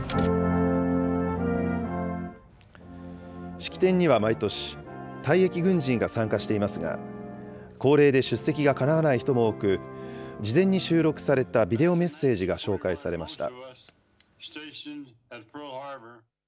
式典には毎年、退役軍人が参加していますが、高齢で出席がかなわない人も多く、事前に収録されたビデオメッセージが紹介されました。